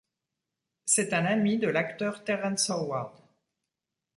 C'est un ami de l'acteur Terrence Howard.